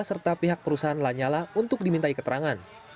serta pihak perusahaan lanyala untuk dimintai keterangan